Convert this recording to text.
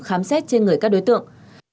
khám xét trên người các đối tượng